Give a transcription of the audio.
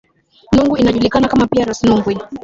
Nungwi inajulikana pia kama Ras Nungwi